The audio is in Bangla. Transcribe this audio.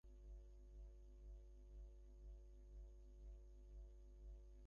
অর্থ মন্ত্রণালয়ের কর্মকর্তারা বলছেন, চাইলে গ্রামীণ ব্যাংক আইনের বলে বিধি করা যায়।